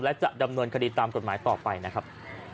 และจะดำเนินคดีตามกฎหมายต่อไปนะครับ